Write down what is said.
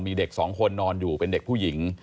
มีเด็กสองคนนอนอยู่เป็นเด็กผู้หญิง